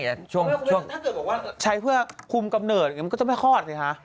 ถ้าเกิดบอกว่าใช้เพื่อคุมกำเนิดมันก็จะไม่คลอดสิคะ